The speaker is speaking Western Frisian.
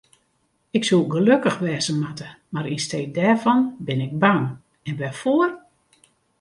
Ik soe gelokkich wêze moatte, mar yn stee dêrfan bin ik bang, en wêrfoar?